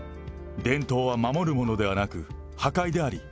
伝統は守るものではなく、破壊である。